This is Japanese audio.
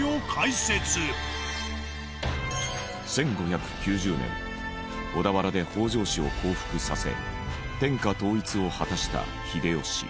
１５９０年小田原で北条氏を降伏させ天下統一を果たした秀吉。